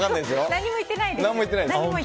何も言ってないですよ。